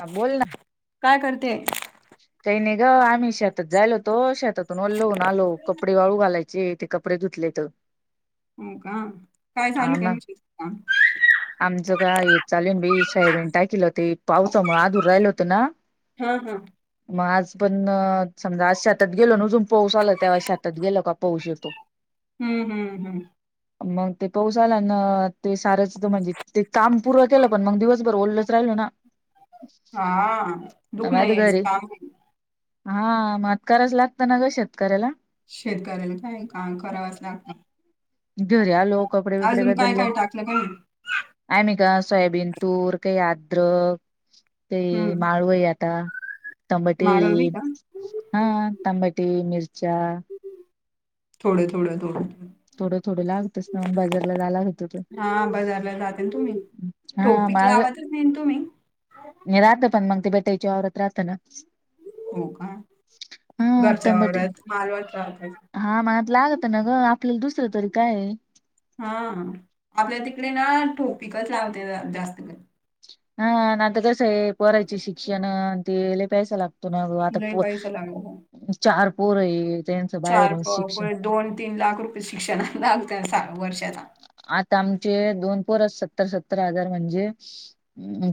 हा बोल ना. काय करते? काही नाही ग आम्ही शेतात जायलो होतो शेतातून ओल्लो होतो आलो कपडे वाळू घालायचे ते कपडे धूतले त हो का? काय ह चालू काय ना म्हशीच काम? आमचं काय हे चालेल बाई काय केलं हो ते पावसामुळे आधूर राहिलं होत ना हा हा. मग आज पण समजा आज शेतात गेलो ना अजून पाऊस आला त्यावे शेतात गेल का पाऊस येतो हम्म हम्म हम्म. मग ते पाऊस आला ना ते सारायच म्हणजे ते काम पूर केलं पण मग दिवसभर ओलच राहिलो ना हा दुख त्यामुळे आता यायचं घरी काम आहे हा म करायलाच लागतं ना ग शेतकऱ्याला शेतकऱ्याला काय काम करावंच लागतं घरी आलो कपडे बिपडे अजून काय बदलले काय टाकलं काय माहित? आहे मी का सोयाबीन तूर काही अद्रक ते हम्म माळव ही आता तांबटी माळव बी का? हा तंबटी मिरचा थोडया थोडया थोड थोडं थोडं लागतच ना मग बाजारला जायला होत तर हा बजारला जाते तुम्ही टोपिक लावातच नाहीन तुम्ही म राहत पण मग ते भेटायच्या आवरात राहत ना हो का. हा घरच्या तंबट वावरात मालवत राहतात. हा मग लागत ना ग आपल्याला दुस तरी काय? हा आपल्या तिकडे ना ठोपिकच लागते जास्त हा नाहीता कसं आहे पोरायचे शिक्षण ते पैसा लागतो लागतो ना ग आता लय पो पैसा लागतो. चार पोर आहे त्यांचं चार बाहेरून प शिक्षण प दोन तीन लाख रुपये शिक्षणा लागत वर्ष आता आमचे दोन परत सत्तर सत्तर हजार म्हणजे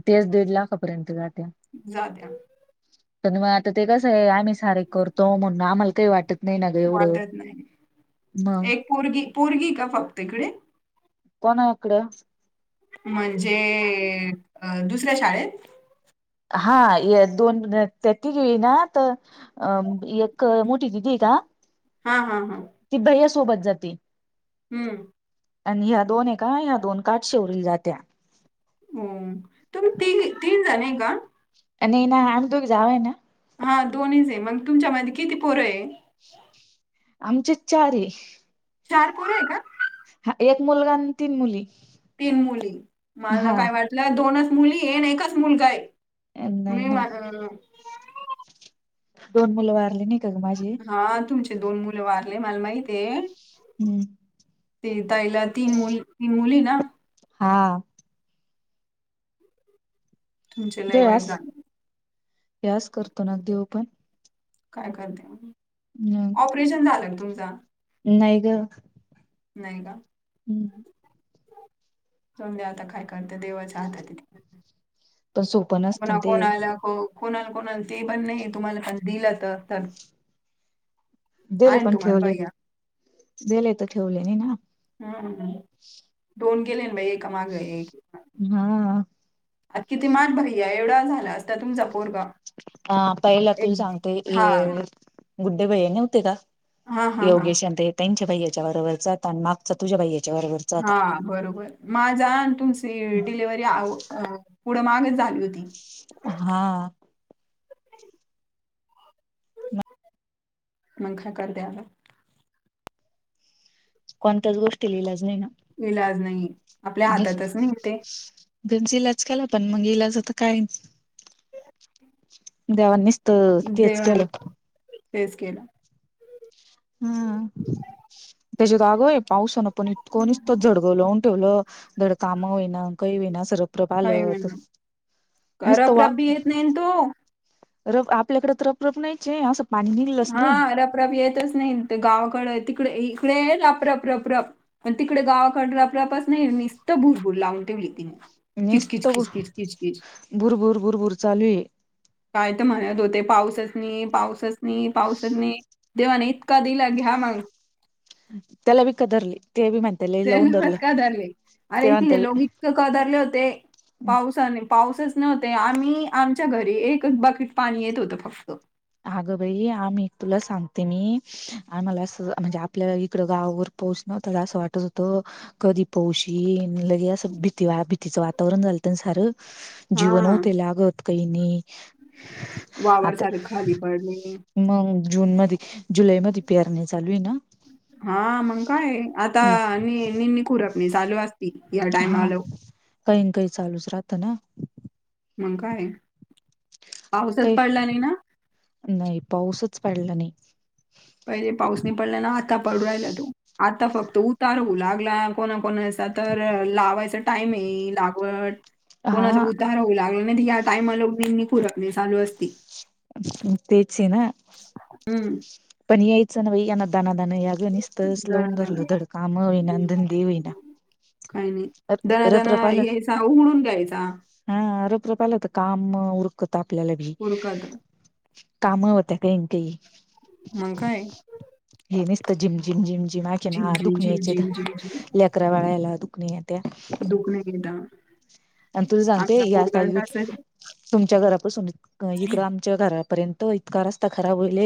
तेच दीड लाखपर्यंत जाते जाद्या प मग आता ते कसं आहे आम्ही सारे करतो म्हणून आम्हाला काही वाटत नाही ना ग एवढं वाटत नाही. मग एक पोरगी पोरगी का फक्त इकडे कोणा इकडे म्हणजे दुसऱ्या शाळेत हा दोन त्या ती घई ना तर एक मोठी दि ती का. हा हा हा. ती भैया सोबत जाते. हम्म! आणि ह्या दोन आहे का ह्या दोन काठ शेवररील जात्या. होम तुम त तीन जाणे का. आणि एना आम तो जावे ना. हा दोनहीच आहे मग तुमच्या मध्ये किती पोरं आहे. आमचे चार. चार पोर आहे का? हा एक मुलगा आणि तीन मुली. तीन मुली मला हा काय वाटलं दोनच मुली येन एकच मुलगा आहे. नाही मी म ना अं. दोन मुलं वारली नि. हा तुमचे दोन मुलं वारले मला माहित आहे. हम्म! ते ताईला तीन मुल तीन मुली ना. हा. तुमचे लय दे वाईट यास झाले. यास करतो नाग देऊ पण. काय करते ऑपरेशन झालं तुमचा. य ग. नाही का? हम्म! सध्या आता काय करते देवाच आता तिथे. पण सोपं नसत कोणा ते कोण आला हो. कोणाल कोणाल ते पण नाही तुम्हाला पण दिलं तर तर. दिले आहे ना पण तुम्हाला ठेवले भैय्या. दिले तर ठेवले नाही ना. हम्मम दोन केेले बा ए माग एक. हा. आता किती मान भैया्या एवढा झाला अस त्या तून जप. ह पहिला तु हां. सांगतेय. गुड्डे बैया नव्हते का हां, हां, हां. योगेश आणि त्यांच्या भाैयाच्या बरोबरच आणि मागचा तुझ्या बाैया. हा बरोबर माझ तुमची डिलिव्हरी आ. पुढ मागच झाली होती. हा नखा कर द्याला. कोणतच गोष्टी लिहिलाच नाही ना. इलाज नाही. आपल्या हातातच नाही ते. घचा इलाज केला पण मग इलाज आता काय देवांनीच. तर तेच केलं. तेेस केला. हम त्याच्यात आगोय पाऊसान पण इतकोणीच तो झडगव लावून. ोल रं काम होईना. काही विना सरप्र काही पालत म्हणू नसत वा. रपरप बी येत नाही न तो रब आपल्याकडे तर रब रप नाहीच असं. पाणी निघलंच नाही हा रप रप येतच नाही गावाकडं त. तडे इकडे रापराप रपरप तिकडे गावाकड रपरापच नाही निस्त भूरभूर लावून ठेवली तिने. किचकिच किचकिच किचकिच नीसतं भुरभुर भुरभूर चालू आहे. काय तर म्हणत होते पाऊसच नाही, पाऊसच नाही, पाऊसच नाही. देवाने इतका दिला घ्या मग. तेला बिकदरली. तेन का धरले अरे ते म्हणते इथले ल- लोग इतक का धरले होते पावसाने पाऊसच नव्हते आम्ही आमच्या घरी एकच बाकीट पाणी येत होतं फक्त. हागं बाई आ मी तुला सांगते मी. आम्हाला अस म्हणजे आपल्याला इकडं गावावर पाऊस नव्हता असं वाटत होतं कधी पोऊ लगे असं भीती वा भीतीचं वातावरण झालत ना सारं. जीवन हा होते लागत काही नाही. वावर आता सारे खाली पडले मग जून मध्ये जुलै मध्ये पेरण्या चालू आहे ना? हा मंग काय आता ये निरपनी खुरपनी चालू असते. हा काही ना काही चालूच राहत ना. मग काय पावसात काही पडला नाही ना? पडलं नाही. पहिले पाऊस नि पडला ना आता पडू राहिला तो आता फक्त उतार होऊ लागला कोणाकणा तर लावायचा टाईम आहे लागवड कोणाचा हा तर उतार हो लाग ह्या टायमाला निंदनी खुरपणी चालू असती. म तेच ना. हम्म. पण यायचं ना वई ना दना दन या. जनीस्त लावून धरल दणादणा. धडकाम होईना धंदे होईना. काही नाही दना दणा रप्रपाला यायचा उघडून घ्यायचा. पाहिलं तर काम उरकत आपल्याला भी. उरकत. काम होत्या काही काही. मग काय. हे नुसतं झिंग झिंग झिंग झिंग, झिंग, दुखणे झिंग, यायचे झिंग, झिंग, लेकरा बाळांना दुखणं. दुखण [unintelligible] आणि तुला सांगते या तुमच्या घरापासून इकड आमच्या घरा पर्यंत इतका रस्ता खराब होल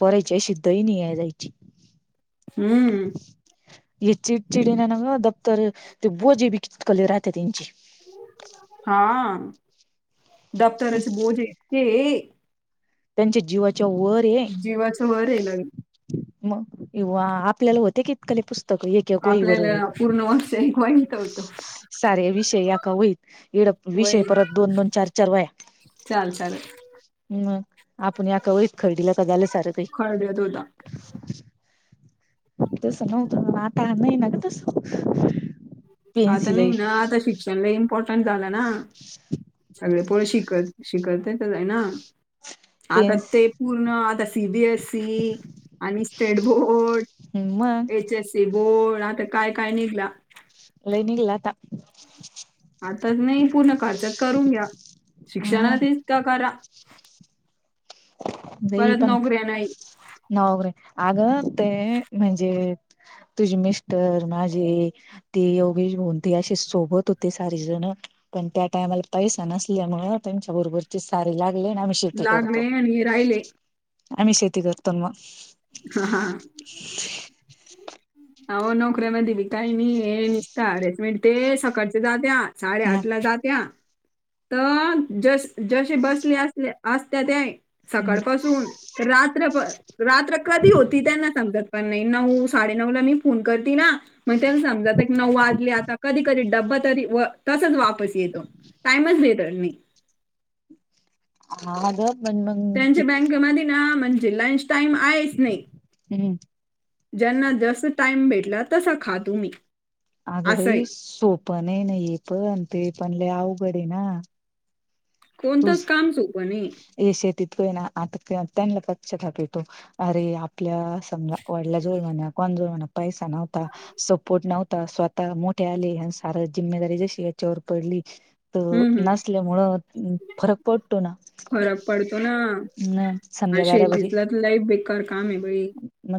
परायचे [unintelligible] नाही आहे जायची हम्म. ये चिडचिडी नाही ना ग दप्तर ते बोजे बी ककले राहते त्यांची. हा दफ्तराचे बोजे इतके. त्यांच्या जीवा जीवाचं वर आहे ना. मग किंवा आपल्याला होते की कलेपासुन. एक एक वहीवर आपल्याला पूर्ण वर्ष एक वहीत होतं. सारे विषय होई एड विषय वही परत दोन दोन चार चार वया. चाल चाल आपण याका वईच खरदीला तर झालं सार काही. खळदळत होता. तस नव्हतं आता नाही ना ग तसं. आता नाही ना तसं आता शिक्षण इम्पॉर्टंट झाला ना. पोळ्या शिकत शिकत आहे ना आता पेन्स ते पूर्ण आता सीबीएस आणि स्टेबो मग एचसी बोल आता काय काय निघला. लयी निघाला आता. आताच नाही पूर्ण खर्चात करून घ्या ह शिक्षणातच का करा. [unintelligible] परत पण नोकऱ्या नाही नवगरे. अगं ते म्हणजे तुझी मिस्टर माझी ती ते एगी कोणते सोबत होते सारेजण पण त्या टायमाला पैसा नसल्यामुळे त्यांच्याबरोर सारी लागली ना आम् शेती लागले करतो. आणि राहिले. आमि शेती करतो न मग हा हा आओ नोकऱ्यामध्ये बी काय नाही हे निसत अच मिनट ते सकाळचे जात्यात. मग हा साडेआठ ला जात्या. तर जस जसे बसले असले असत्याते हम्म सकाळपासून रात्रभर रात्र कधी होती त्यांना समजत नाही. पण नाही नऊ साडे नऊ ला मी फोन करते ना मग त्यांला समजत आता की नऊ वाजले आता कधी कधी डब्बा तरी तसच वापस येतो टाईमच भेटत नाही. हा जर त्यांचे बँके मधी ना म्हणजे लंच टाईम आहेच नाही. ज्यांना जस टाइम भेटला तसा खा तुम्ही. अगं असं आहे बाई सोप नाही ना, हे पण ते पण लई अवघड आहे ना. कोणतच काम सोपं नाही. ये शेतीत कय ना आता त्यांना पश्चाताप येतो अरे आपल्या समजा वडलाजवळ म्हणा कोंजवळ पैसा नव्हता, सपोर्ट नव्हता स्वतः मोठे झाले आणि सारी जिम्मेदारी जशी याच्यावर पडली. तर हम्म हम्म नासल्यामुळं फरक पडतो ना. फरक पडतो न ना समजा बराबरी शेतीसला तर लई बेक्कार काम आहे बई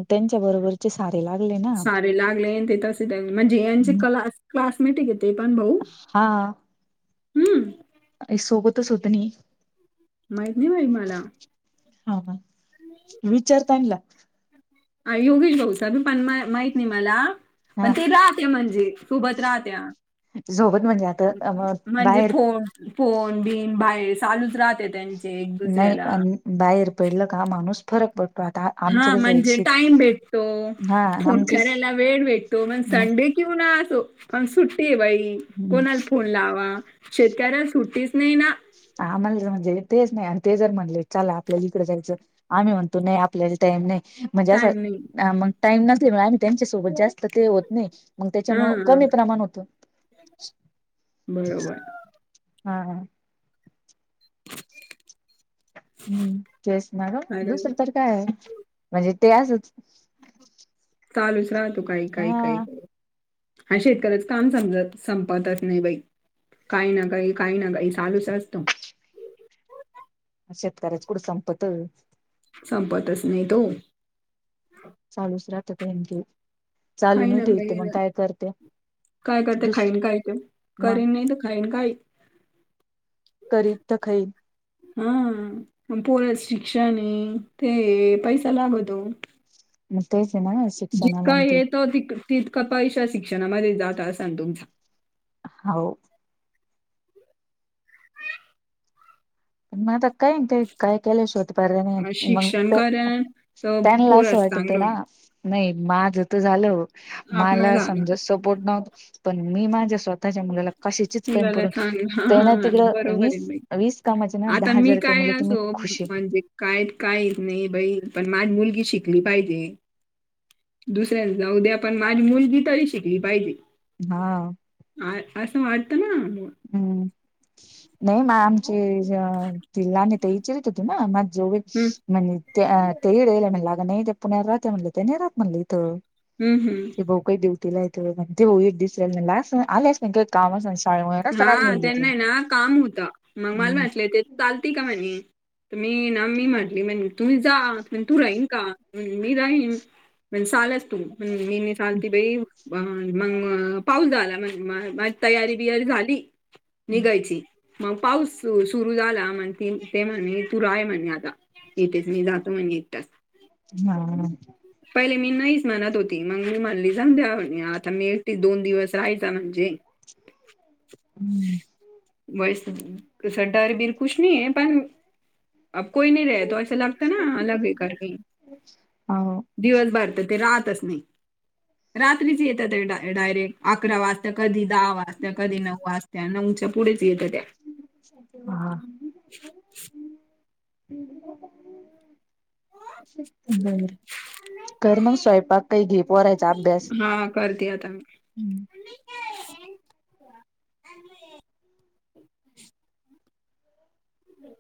त्यांचा बरोबर चे सारे लागले ना सारे लागले ते तस म्हणजे यांचे क्ला क्लासमेंट ते पण भाऊ हा हम्म. सोबतच होते नी माहित नाही बाई मला. हा विचार त्यांनला ह योगेश भाऊचा पण माहित नाही मला पण हा ते राहता म्हणजे सोबत राहत्या सोबत म्हणजे आता म्हणजे बाहेर फोन फोन बिन बाहेर चालूच राहते त्यांचे- एक नाही दुसऱ्याला अन बाहेर पडलं का माणूस फरक पडतो. आता हा आमचं कसं आहे म्हणजे शेती टाइम भेटतो हा आणि फोन आमचंच करायला वेळ भेटतो पण मग संडे कि असणा पण सुट्टी आहे बाई हम्म कोणाला फोन लावा शेतकऱ्याला सुट्टीच नाही ना. आम्हाला म्हणजे तेच नाही आणि ते जर म्हणले चला आपल्याला इकडें जायचं आम्ही म्हणतो नाही आपल्याला टाईम नाही. म्हणजे अस टाईम नाही. मग टाईम नसल्यामुळ आम्ही त्यांच्यासोबत जास्त तर ते होत नाही मग त्याच्या मूळ हां, कमी प्रमाण होत. बरोबर... हा हा [unintelligible] हम्म तेच ना ग अरे, दुसरं तर काय म्हणजे ते असच. चालूच राहतो काही, काही, काही, हा काही हा शेतकर्‍याच काम समज संपतच नाही बाई. काही ना काही, काही ना काही चालूच असत. शेतकऱ्याच कुठं संपत संपतच नाही तो चालूच राहतात ह्यांची चालू काही नाही ना ठेवील तर काही मग ना. काय करत्या काय करते खाईल काय ते मग करील नाही तर खाईल काय? करीत तर खई हा पोरांच् शिक्षण ये ते पैसा लागतो. मग तेच आहे ना शिक्षणाला जितका आणि ते येतो त तितका पैशा शिक्षणामध्ये जात असल् तुमचा - हाव पण मग आता काय का काय केल्या शिवाय तर पर्याय नाही अं, मग शिक्षण ते करेन तर त्यांना अस पोरास वाटत चांगलं ना होईल. नाही माझ त झाल आपणा मला झाला, समजा सपोर्ट नव्हता पण मी माझ्या स्वतःच्या मुलाला कशाचीच कमी मुलाला पडू चांगलं देणार नाही ते ना हां, तिकडं बरोबर आहे वीस बाई. वीस कामाचे ना आता दहा मी हजार काय कमीले तुम्ही असो खुशी म्हणजे काय काही नाही बई पण माझ मुलगी शिकली पाहिजे. दुसऱ्यांऊद्या आपण माझी मुलगी तरी शिकली पाहिजे. हा. त वाजता ना. हम्म नाही मग आमचे तिलाने ते इचारत हो त ना म. जेव हं, म्हणजे तेला म्हण अग नाही ते पुण्या राहत म्हणलं त्या नाही राहत म्हणलं इथं. हं, हं. ते बो काय देवस. तला म्हण ते दिस आ काम. नसताना आली हा म्हणली ती. त्यांना ना काम होतं मग मलम हम्म असले ते चालते का म्हणे. मी ना मी म्हटली म्हण तुम्ही जा म्हण तू राहीन का मी राहीन. ण चालच तू मीी चाल ती बाई मग पाऊ झाला माझ तयारी. बिर झाली निघायची. मग पाऊस सुरु झाला मग ते म्हणे तू रा आहे म्हणे आता इथेच मी जातो. म्हण य. हा. पहिले मी नाहीच म्हणत होती मग मी म्हणली सांग द्या आता मी एकटे दोन दिवस राहायचा म्हणजे. हम्म. वै सडरबीर कुश नाही आहे पण. अब कोई नाही र तो स लागत ना अग हे करते. हो दिवस भरत ते रातच नाही रात्रीच येतातात डा. डायरेक्ट अकरा वाजता कधी दहा वाजता्या कधी नऊ वाजता्या नऊच्या पुढे ह. सम घर मग स्वयंपाक काही घे पोहरायचा अभ्यास. ता [inaudible] हम्!